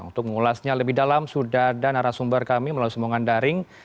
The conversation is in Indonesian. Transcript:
untuk mengulasnya lebih dalam sudah ada narasumber kami melalui semuanya daring